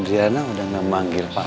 adria udah gak manggil pak lagi